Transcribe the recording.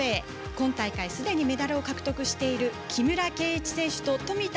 今大会すでにメダルを獲得している木村敬一選手と富田